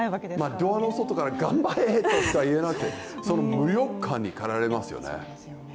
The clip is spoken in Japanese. ドアの外から「がんばれ！」としか言えなくて無力感にかられますよね。